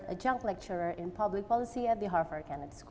seorang jururawat di polisi pembangunan di kedai kedai harfa